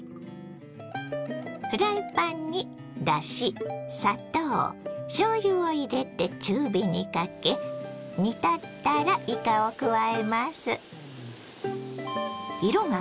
フライパンにだし砂糖しょうゆを入れて中火にかけ煮立ったらいかを加えます。